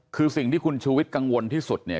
คือสิ่งที่คุณชูวิทย์กังวลที่สุดเนี่ย